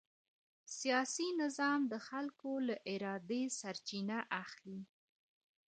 سیاسي نظام د خلکو له ارادې سرچینه اخلي